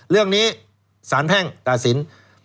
เรื่องนี้สารแพ่งตัดสิน